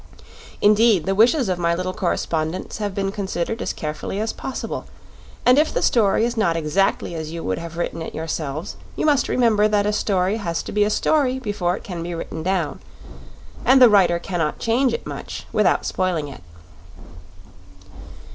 Indeed, the wishes of my little correspondents have been considered as carefully as possible, and if the story is not exactly as you would have written it yourselves, you must remember that a story has to be a story before it can be written down, and the writer cannot change it much without spoiling it.